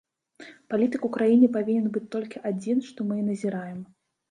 Палітык у краіне павінен быць толькі адзін, што мы і назіраем.